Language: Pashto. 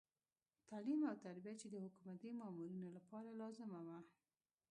تعلیم او تربیه چې د حکومتي مامورینو لپاره لازمه وه.